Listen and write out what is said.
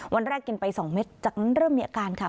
วันแรกกินไป๒เม็ดจากนั้นเริ่มมีอาการค่ะ